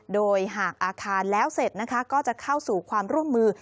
โดยหากอาคารแล้วเสร็จนะคะก็จะเข้าสู่ความร่วมมือ